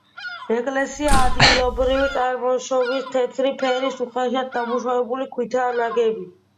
ეკლესია ადგილობრივი წარმოშობის თეთრი ფერის უხეშად დამუშავებული ქვითაა ნაგები.